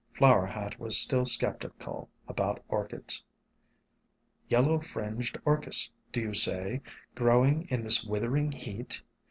Flower Hat was still skeptical about Orchids. "Yellow Fringed Orchis, do you say, growing in this withering heat?